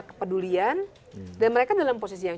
kepedulian dan mereka dalam posisi yang